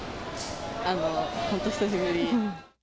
本当、久しぶり。